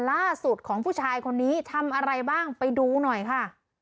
ล่าสุดของผู้ชายคนนี้ทำอะไรบ้างไปดูหน่อยค่ะ